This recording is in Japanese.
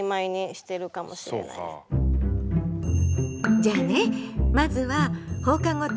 じゃあねまずは放課後等